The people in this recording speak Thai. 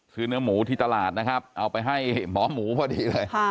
คือเนื้อหมูที่ตลาดนะครับเอาไปให้หมอหมูพอดีเลย